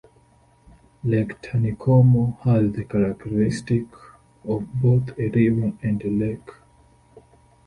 Lake Taneycomo has the characteristics of both a river and a lake.